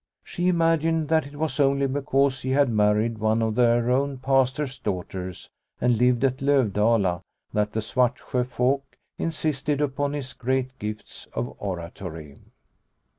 She imagined that it was only because he had married one of their own Pastor's daughters and lived at Lovdala that the Svartsjo folk insisted upon his great gifts of oratory.